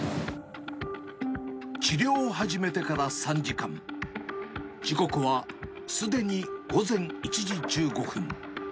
治療を始めてから３時間、時刻はすでに午前１時１５分。